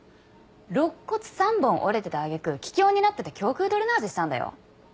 肋骨３本折れてた揚げ句気胸になってて胸腔ドレナージしたんだよ。